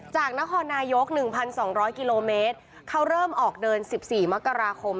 จากนครนายก๑๒๐๐กิโลเมตรเขาเริ่มออกเดิน๑๔มกราคม